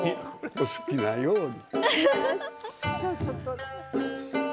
お好きなように。